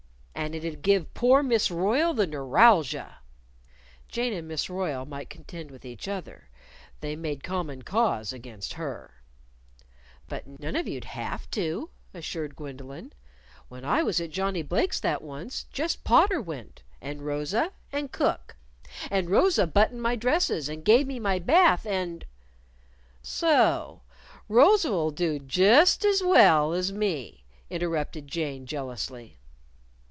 "And it'd give poor Miss Royle the neuralgia," (Jane and Miss Royle might contend with each other; they made common cause against her.) "But none of you'd have to" assured Gwendolyn. "When I was at Johnnie Blake's that once, just Potter went, and Rosa, and Cook. And Rosa buttoned my dresses and gave me my bath, and " "So Rosa'll do just as well as me," interrupted Jane, jealously.